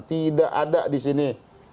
tidak ada disini